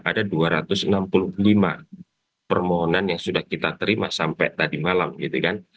ada dua ratus enam puluh lima permohonan yang sudah kita terima sampai tadi malam gitu kan